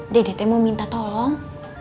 dede mau minta tolong